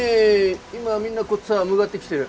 今みんなこっちさ向がってきてる。